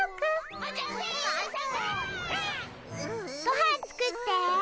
ごはん作って。